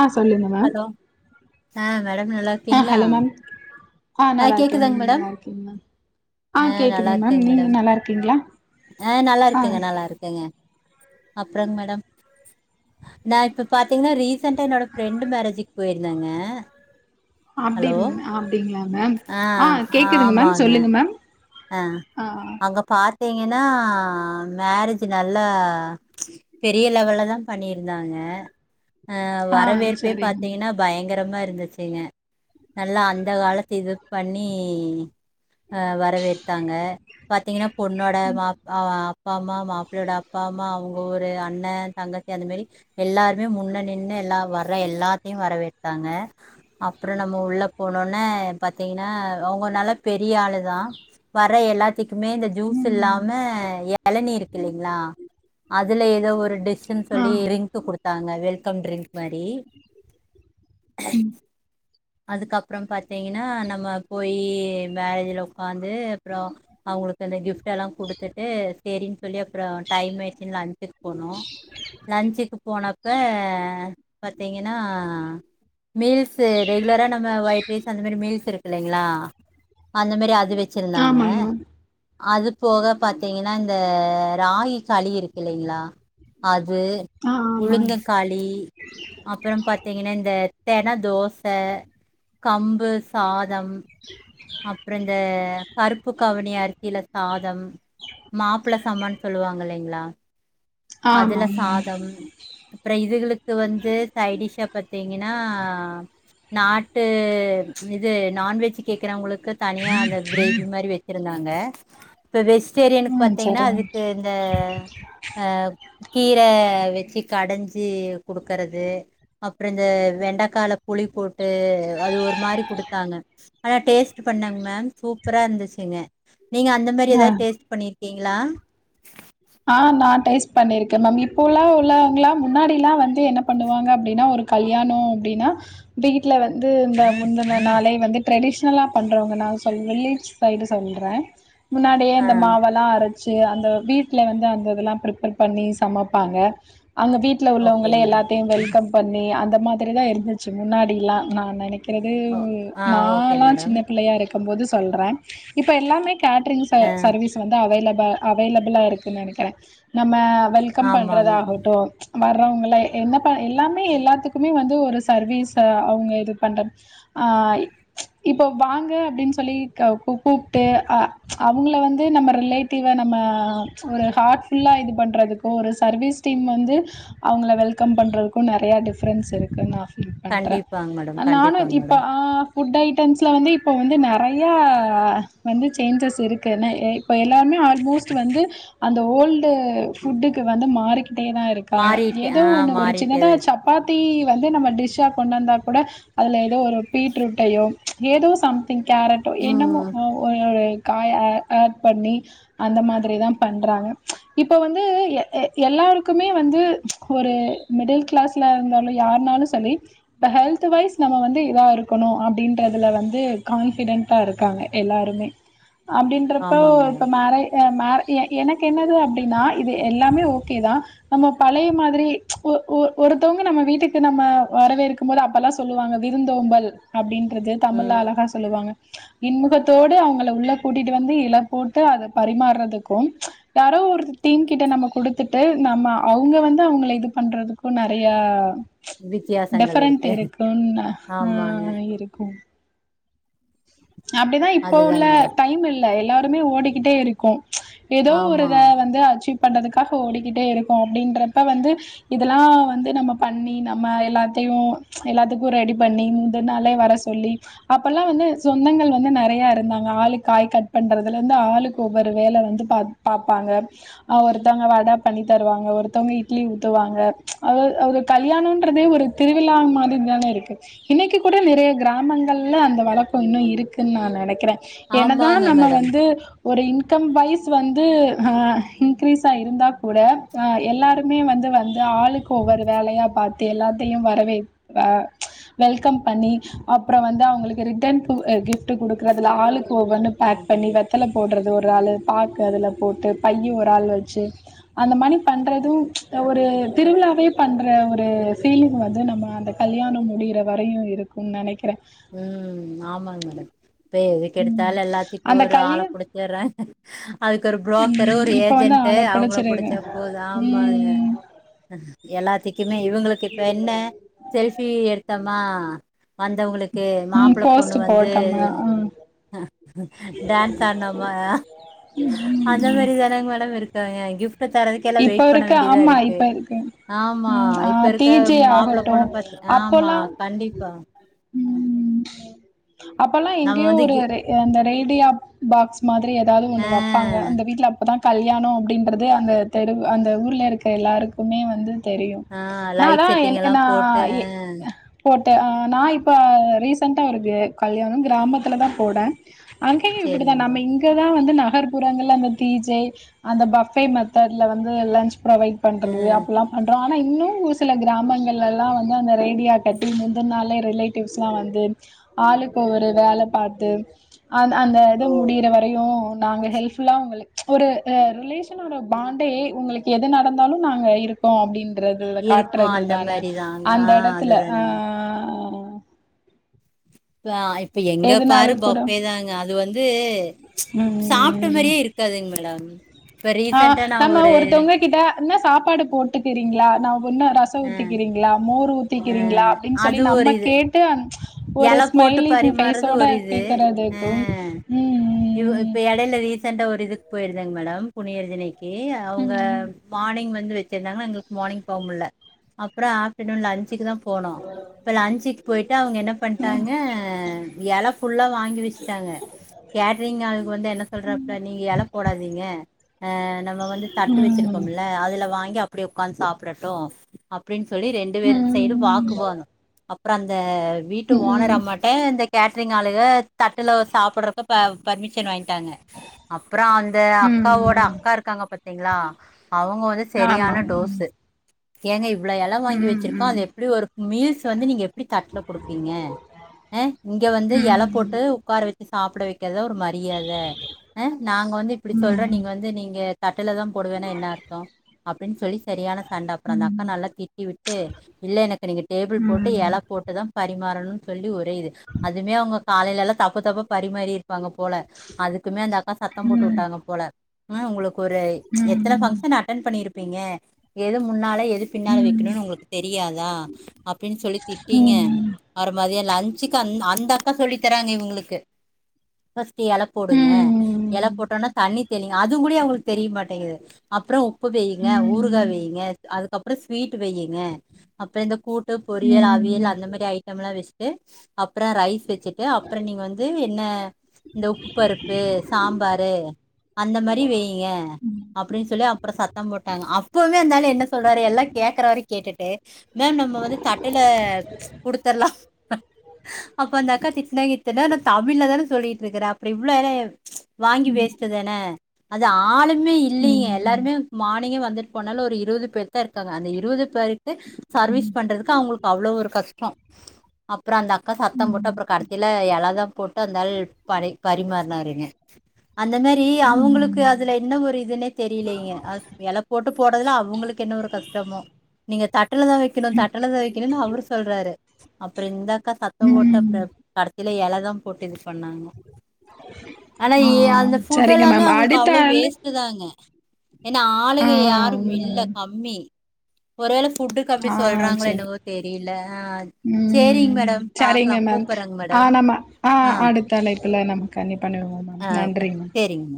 ஆஹ் சொல்லுங்க மேம் அஹ் மேடம் நல்லாருக்கீங்ளா ஆஹ் நல்லா இருக்கே நீங்க நல்லா இருக்கீங்ளா ஆ ஆஹ் நல்லா கேக்குதுங்க மேம் இருக்கேங்க நீங்க மேடம் நல்லாருக்கீங்ளா அஹ் அப்புறங் மேடம் நா இப்ப பாத்தீங்கன்னா ரீசன்டா என்னோட பிரண்டு மேரேஜ்க்கு போயிருந்தங்க அப்டி அப்டிங்ளாங்க ஆ ஆஹ் கேக்குதுங்க மேம் சொல்லுங்க மேம் ஆஹ் ஆ அங்க பா பாத்தீங்கன்னா மேரேஜ் நல்லா பெரிய லெவல்ல தான் பண்ணிருந்தாங்க ஆஹ் ஆ வரவேற்பே சரிங்க பாத்தீங்கன்னா பயங் பயங்கரமா இருந்துச்சுங்க நல்லா அந்த காலத்து இது பண்ணி ஆஹ் த்தாங்க பாத்தீங்கன்னா பொண்ணோட மாப் அஹ் அப் அப்பா அம்மா மாப்பிள்ளையோட அப்பா அம்மா அவங்க ஒரு அண்ணன் தங்கச்சி அந்த மாரி எல்லாருமே முன்ன நின்னு எல்லா வர்ற எல்லாத்தையும் வரவேத்தாங்க அப்புறம் நம்ம உள்ள போனோனே பாத்தீங்கன்னா அவங்க நல்லா பெரிய ஆளு தான் வர எல்லா துக்குமே இந்த ஜூஸ் மேம் ம் இல்லாம எளநீர் இல்லைங்களா அதுல ஏதோ ஒரு டிஷ் ஷ்ன் ஆ சொல்லி டிரிங்க் குடுத் த்தாங்க வெல்கம் டிரிங்க் மாரி ம் அதுக்கப்றம் பாத் பாத்தீங்கன்னா நம்ம போயி மேரேஜ்ல உட்காந்து அப்றம் அவங்களுக்கு அந்த கிஃப்ட் எல்லாம் குடுத்துட்டு செரின்னு சொல்லி அப்றம் டைம் ஆச்சு லஞ்சுக்கு போனோம் லன்சுக்கு போனப்ப பாத்தீங்கன்னா மீல்ஸ் ரெகுலரா நம்ம ஒயிட் ரைஸ் அந்த மாரி மீல்ஸ் இருக்கு இல்லைங்களா அந்த மாரி அது அது வச்சிருந்தாங்க ஆமாங்க மேம் அது போக பார்த்தீங்கன்னா இந்த ராகி களி இருக்கு இல்லைங்களா அது ஆ [unintelligible] ஆமாங்க உழுங்கக்காளி அப்புறம் பார்த்தீங்கன்னா இந்த தனதோஷ் கம்பு சாதம் அப்புறம் இந்த கருப்பு கவனி அரிசியில சாதம் மாப்பிளை சமான்னு சொல்லுவாங்க இல்லைங்களா [inaudible] அதுல ஆமாங்க மேம் சாதம் அப்புற இது இதுகளுக்கு வந்து சைடிஷ் பார்த்தீங்கன்னா நாட்டு இது நான்வெஜ் கேக்கறவங்களுக்கு தனியா அந்த கிரேவி மாதிரி வச்சிருந்தாங்க பெவேஸ் சரி எனக்கு ஆ பார்த்தீங்கன்னா சரிங்க அதுக்கு இந்த அ கீரை வச்சு கடஞ்சு கொடுக்கறது அப்புறம் இந்த வெண்டைக்கால புளி போட்டு போட்டு அது ஒரு மாதிரி கொடுத்தாங்க டேஸ்ட் பண்ணங்க மேம் சூப் சூப்பறா இருந்துச்சுங்க நீங்க அந்த மாரி ஆ ஏதாவது டேஸ்ட் பண்ணிருக் கீங்களா ஆ நான் டேஸ்ட் பண்ணிருக்கேன் மேம் இப்போ எல்லாம் உள்ளவங்காம் முன்னாடி எல்லாம் வந்து என்ன பண்ணுவாங்க அப்படின்னா ஒரு கல்யாணம் அப்படின்னா வீட்டுல வந்து இந்த முந்தன நாளே வந்து ட்ரெடிஷனலா பண்றவங்க நான் சொ வில்லேஜ் சைடு சொல்றேன் முன்னாடியே ஆ இந்த மாவெல்லாம் அரைச் அந்த பீட் வீட்டுல வந்து அந்த இதெல்லாம் பிர்ப்பேர் பண்ணி சமைப்பாங்க அங்க வீட்டுல ஓகே உள்ளவங்களே மேடம் எல்லாத்தையும் வெல்கம் பண்ணி அந்த மாதிரி தான் இருந்துச்சு முன்னாடிலாம் நான் நினைக்கிறேன் ஓ ஆ இருக்கிறது ஓகே நாலாம் மேடம் சின்ன பிள்ளையா இருக்கு போது சொல்றேன் இப்ப எல்லாமே கேட்ரிங் ஆ சர்வீஸ் வந்து அவைலபிள் அவைலபிளா இருக்கு நினைக்கிறேன் நம்ம வெல்கம் பண்றதா ஆமாங்க ஆகட்டும் வர்றவங்ளே என்ன ப எல்லாமே எல்லாத்துக்குமே வந்து ஒரு சர்வீஸை அவங்க இது பண்றது இப்போ வாங்க அப்படின்னு சொல்லி கூப்பிட்டு அவங்கள வந்து நம்ம ரிலேட்டிவ நம்ம ஒரு ஹார்ட் ஃபுல்லா இது பண்ணுறதுக்கும் ஒரு சர்வீஸ் டீம் வந்து அவங்கள வெல்கம் பண்ணுறதுக்கும் நிறையா டிஃப்ரென்ஸ் இருக்குதா பண்ற கண்டிப்பாங்க மேடம் நானு கண்டிப்பாங்க இப்ப மேடம் ஆ ஃபுட் ஐட்டம்ஸ்ல வந்து இப்போ வந்து நிறையா வந்து சேஞ்சஸ் இருக்குதுன்னு இப்போ எல்லாமே ஆல்மோஸ்ட் வந்து அந்த ஓல்டு ஃபுட்டுக்கு வந்து மாறி கிட்டேதான் இருக்காங்க மாறிட்டு ஏதோ ஆ ஒண்ணு ஒரு சின்னதா மாறிட்டேதா சப்பாத் தி வந்து நம்ம டிஷ்ஷா கொண்டு வந்தா கூட அதுல ஏதோ ஒரு பீட்ரூட்டையோ ஏதோ சம் கேரட்டோ என்னமோ ம் காய்ய ஆட் பண்ணி அந்த மாதிரி தான் பண்றாங்க இப்ப வந்து எல்லாருக்குமே வந்து ஒரு மிடில் கிளாஸ்ல இருந்தாலாலும் யாருனாலும் சல்லி இப்ப ஹெல்த் வைஸ் நம்ம வந்து இதா இருக்கணும் அப்படின்றதுல வந்து கான்பிடென்டா இருக்காங்க எல்லாருமே அப்படின்றப்ப ஆமாங்க இப்ப மேடம் நறை என் மேர் எனக்கு என்னது அப்படின்னா இது எல்லாமே ஓகே தான் நம்ம பழைய மாதிரி ஒருத்தவுங்க நம்ம வீட்டுக்கு நம்ம வரவேற்க்கும் போது அப்ப எல்லாம் சொல்லுவாங்க விருந்தோம்பல் அப்படின் றது தமிழ்ல ம் அழகா சொல்லுவாங்க இன்முகத்தோடு அவுங்கள உள்ள கூட்டிட்டு வந்து இலை போட்டு அதை பரிமாறுறதுக் கும் யாரோ ஒரு டீம் கிட்ட நம்ம கொடுத்துட்டு நம்ம அவுங்க வந்து அவுங்கள இது பண்றதுக்கும் நறைய வித்தியாசங்கள் டிஃபரென்ட் இருக்கு இருக்கும்ன ஆமாங்க ஆஹ் இருக்கும் [inaudible] அப்படிதான் இப்போ உள்ள அதுதாங்க மேடம் டைம் இல் இல்ல எல்லாருமே ஓடிக்கிட்டே இருக்கோம் ஏதோ ஒரு ஆமா இதா வந்து அச்சீவ் பண்றதுக்காக ஓடிக்கிட்டே இருக்கோம் அப்படின்றப்ப வந்து இதெல்லாம் வந்து நம்ம பண்ணி நம்ம எல்லாத்தையும் எல்லாத்துக்கும் ரெடி பண்ணி முந்துன நாளே வர சொல்லி அப்பல்லாம் வந்து சொந்தங்கள் வந்து நெறைய இருந்தாங்க ஆளுக்கு காய் கட் பண்றதுல இருந்து ஆளுக்கு ஒவ்வொரு வேலை வந்து பா பார்பப்பாங்க ஆஹ் ஒருத்தவங்க வடை பண்ணி தருவாங்க ஒருத்தவங்க இட்லி ஊத்துவாங்க அதாது ஒரு கல்யாணம்ன்றதே ஒரு திருவிழா மாதிரி தானே இருக்கு இன்னைக்கு கூட நெறைய கிராமங்கள்ல அந்த வளக் கம் இன்னும் இருக்குன்னு நான் நெனைக்கிறேன் என்ன தான் ஆமாங்க நம்ம மேடம் வந்து ஒரு இன்கம் வைஸ் வந்து ஆஹ் இன்க்ரீஸா இருந்தால் கூட எல்லாருமே வந்து வந்து ஆளுக்கு ஒவ்வொரு வேலையா பார்த்து எல்லாத்தையும் வரவே வெல்கம் பண்ணி அப்புறம் வந்து அவுங்களுக்கு ரிட்டர்ன் கிஃப்ட்டு குடுக்கறதுல ஆளுக்கு ஒவ்வொன்னு பேக் பண்ணி வெத்தலை போடுறது ஒரு ஆளு பாக்கு அதுல போட்டு பைய்யி ஒரு ஆள் வச்சு அந்த மாதிரி பண்ணுறதும் ஒரு திருவிழாவே பண்ணுற ஒரு ஃபீலிங் வந்து நம்ம அந்த கல்யாணம் முடியிற வரையும் இருக்கும் நெனைக்கிறேன் ம் ஆமாங்க மேடம் இப்ப எதுக்கு ம் எடுத்தாலும் எல்லாத்துக்கும் அந்த ஒரு ஆளை கல்யா புடிச்சடுறாங்க அதுக்கு ஒரு பு்ரோக்கரு ம் ஒரு இப்ப வந்து ஏஜெண்டட ஆள அவுங்கள புடிச்சிருக்கு புடிச்சா போதும் ஆமாங்க ம் எல்லாத்துக்குமே இவுங்களுக்கு இப்ப என்ன செல்பி எடுத்தா மா வந்தவங்களுக் கே ம் மாப்பிளை பொண்ணு போஸ்ட் வந்து போட்டம்மா ம் டான்ஸ் ஆடுனாமா அந்த மாதிரி தானே மேடம் இருக்கு ஆஹ்ஹ் கிஃப்ட் ட தரதுக்கே எல்லாம் இப்ப வெயிட் பண்ண இருக்கு வேண்டியதா ஆமா இருக்கு இப்ப ஆமா ம் ஆ இப்ப டி இருக்க ஜே மாப்பிள்ள ஆகட்டு பொண்ணு பாத் ஆமா அப்போல்லா கண்டிப்பா ம் அப்ப எல்லாம் நம்ம எங்கயோ வந்து ஒரு கி அந்த ரேடியா பாக்ஸ் மாதிரி ஏதாவது ஆ ஒன்று வைப்பாங்க அந்த வீட்டுல அப்பதான் கல்யாணம் அப்படின்றது அந்த தெரு அந்த ஊரில் இருக்கிற எல்லாருக்குமே வந்து தெரியும் ஆ நான் லைட் அதான் செட்டிங் என் எல்லா ந போட்டு ஆ போட் நான் இப்போ ரீசெண்டட்டா ஒரு க கல்யாணம் கிராமத்துல தான் போடேன் அங்கயும் சேரிங்க இப்படிதான் நம்ம மேடம் இங்கதான் வந்து ந நகர்ப்புறங்கள்ல அந்த தீஜை அந்த பஃபே ம தேர்ல வந்து லன்ச் ப்ரொவைட் ஆ பண்றது அப்பெல்லாம் பண்றோம் ஆ இன்னும் ஒரு சில கிராமங்கள்ல எல்லாம் வந்து அந்த ரேடியோ கட்டி முந்தின நாளே ரிலேட்டிவ்ஸ் எல்லாம் வந்து ஆளுக்கு ஒரு வேலை பாத்து ஆ அந்த இது முடியிற வரையும் நாங்க ஹெல்ப்புல்லா உங்களுக்கு ஒரு ரிலேஷன் ஒட பாண்டே உங்களுக்கு எது நடந்தாலும் நாங்க இருக்கோம் அப்டினு காட்டுறது இருக்கு காட்டுறது அந்த தானே மாரிதாங்க அந்த ஆ இடத்துல அதுதானங்க ஆஹ [inaudible] ஆ இப்ப எங்க பாரு பஃப்ஃபை தாங்க அது வந்து இது சாப்பிட்ட மாரியே இருக்காதுங்க மேடம் இப்ப ஆஹ் ரீசன்டா நா நம்ம ஒரு ஒருத்தவங்க கிட்ட என்ன சாப்பாடு போட்டுக்கிறீங்களா என்ன ரசம் அ ஊத்திக்கிறீங்களா மோர் ஊத் அ திக்கிறீங்களா அப்டின்னு சொல்லி அது ஒரு நம்ம இது கேட்டு அந் எல போட்டு பரிமாறுறது ஒரு இது கேக்குறதுக்கு ஆஹ் இவ் ம் இப்ப இடையில ரீசண்டா ஒரு இது போயிருந்தாங்க மேடம் புனியார் திணை க்கி அவுங்க மார்னிங் வந் வச்சிருந்தாங்கா எங்களுக்கு மார்னிங் போக முடியல அப்றோம் ஆப்டர்நூன் லஞ்சுக்கு தான் போனோம் இப்ப லஞ்சுக்கு போயிட்டு அவுங்க என்ன ட்டாங்க இலை ஃபுல்லா வாங்கி வச்சுட்டாங்க கேட்ரிங் ஆளுக்கு வந்து என்ன சொல்றப்பல நீங்க இலை போடாதீங்க நம்ம வந்து தட்டு ம் வச்சிருக்கோம்ல அதுல வாங்கி இங்க அப்டியே உக்காந்து சாப்பிடட்டும் அப்டின் சொல்லி ரெண்டு பேரும் சைடு ம் வாக்கு வாதம் அப்றோம் அந்த ஓனர் ம் அம்மாடா இந்த கேட்ரிங் ஆளுக தட்டில சாப்பிடறக்கு பர்மிஷன் வாங்கிட்டாங்க அப்றோம் அந்த அக்காவோட ம் அக்கா இருக்காங்க பத்த தீங்களா அவங்க வந்து ஆமா சரியான டோஸு ஏங்க இவ்ளோ இலை ம் வாங்கிச்சிருக்கோ ம் அது எப்டி ஒரு மீல்ஸ் வந்து நீங்க எப்படி தட் வைப்பீங்க அஹ் இங்க வந்து இலை போட்டு உக்கார வச்ச சாப்பிட வை ஒரு மரியாதை நாங்க வந்து இப்டி சொல்ற நீங்க வந்து நீங்க கட்டில தான் போடுவேன்னா என்ன அர்த்தம் அப்படின்னு சொல்லி சரியான சண்ட அப்புறம் அந்த அக்கா நல்லா திட்டி விட்டு இல்லை எனக்கு நீங்கள் டேபிள் போட்டு இலை போட்டு தான் பரிமாறணும் சொல்லி ஒரு இது அதுமே அவங்க காலையில எல்லாம் தப்பு தப்பா பரிமாறி இருப்பாங்க போல அதுக்குமே அந்த அக்கா சத்தம் போட்டு விட்டாங்க போல ஆ உங்களுக்கு ஒரு எத்தன பங்க்ஷன் அட்டன் பண்ணிரு ப்பிங்க எது முன்னாலே எது ம் பின்னால ம் வைக்கணும்னு உங்களுக்கு தெரியாதா அப்படின்னு சொல்லி திட்டீங்க ம் மதிய லஞ்சுக்கு அந்த அக்கா சொல்லி தராங்க இவங்களுக்கு இலை ம் போடுங்க ம் இலை போட்டோனா தண்ணி தெளிங்க அதுவும் கூட அவங்களுக்கு தெரியமாட்டேங்குது அப்புறம் உப்பு வையுங்க ஊருகாய் வையுங்க அதுக் அப்புறம் ஸ்வீட் வையுங்க அப்புறம் இந்த கூட் பொறியல் அவியல் ம் அந்த மாதிரி ஜட் வச்சுட்டு அப்புறம் ரைஸ் வச்சு வச்சிட்டு அப்புற நீங்க வந்து என்ன உப்பு பருப்பு சாம்பாரு அந்த மாரி வையுங்க அப்படின்னு சொல்லி அப்பற சத் தம் போட்டாங்க அப்பவே அந்தாலு என்ன சொல்றாரு எல்லாம் கேக்குற வர கேட்டுட்டு மேம் நம்ம வந்து தட்டையில தரலாம் அப்ப அந்த அக்கா திட் என்ன இத்தன நேர தமிழ்ல தான சொல்லிட் இருந்த இருக்கற அப்புறம் இவ்வளவு வேலைய வாங்கி பேசிடதான அது ஆளு மே இல்லைங்க எல்லாருமே மாட் இன்னைக்கு வந்துட்டு போனாலும் ஒரு இருபது பேர் தான் இருக்காங்க அந்த இருபது பேரையு சர்வீஸ் பண்றதுக்கு அவங்களுக்கு அவ்ளோ ஒரு கஷ்டம் அ அப்புறம் அந்த அக்கா சத்தம் போட்டு ம் அப்புறம் கடைசில எல தான் போட் பட்டு அந்த ஆள் பரிமாறினாருங்க அந்த மாரி அவங்களுக்கு அதுல என்ன ஒரு இதுன்னே தெரியலங்க இலை போட்டு போடுறதுல அவங்களுக்கு என்ன ஒரு கஷ்டம் அப்றமோ நீங்க தட் தட்ல தான் வைக்கணும் தட்டல தான் வைக்கணும்னு அவர் சொல்றாரு அப்பறம் இந்தா சார் சத்தம் ம் ம் போட்டாப்டி அடுத் இதுல எல தான் போட்டு இது பண்ணாங்க ஆனா ஆ ஏ அந்த ஃபுட் சரிங்க எல்லாமே மேம் அவங்களுக்கு அடுத்த அவ்வள ஆள் வேஸ்ட் தாங்க ஏன்னா ஆ ஆளுக யாரும் இல்ல ம் கம்மி ஒருவேளைக்கு ஃபுட்டுக்கு அப்படி ஆ சொல்றாங்களோ எனன்னவோ தெரில ஆஹ் உம் சரிங்க மேம் மேடம் ஆஹ் நம்ம ஆ ஆஹ் அடுத்தழைப் த்துல நமக்கு அனுப் பண்ணுவோ மேம் ஆ நன்றி மா சரிங்க மேடம்